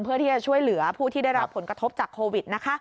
เพื่อที่จะช่วยเหลือผู้ที่ได้รับผลกระทบจากโควิดนะคะ